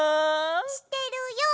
してるよ！